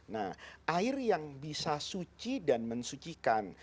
nah air yang bisa suci dan mensucikan